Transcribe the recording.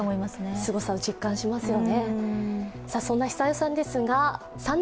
すごさを実感しますよね。